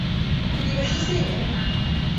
Did you wish to see me?